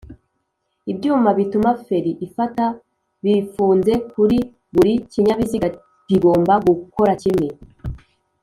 ibyuma bituma feri ifata bifunze kuri buri kinyabiziga bigomba gukora kimwe